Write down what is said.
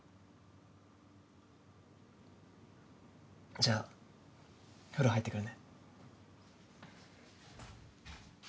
じゃあ風呂入ってくるね。